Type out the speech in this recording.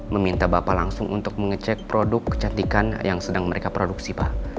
meminta bapak langsung untuk mengecek produk kecantikan yang sedang mereka produksi pak